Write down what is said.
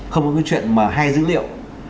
không có cái chuyện mà hai dữ liệu